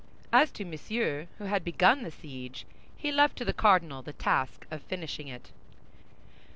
As to Monsieur, who had begun the siege, he left to the cardinal the task of finishing it.